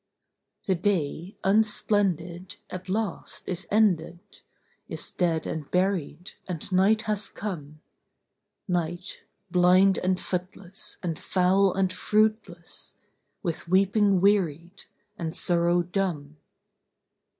The day, unsplendid, at last is ended, Is dead and buried, and night has come; Night, blind and footless, and foul and fruitless, With weeping wearied, and sorrow dumb.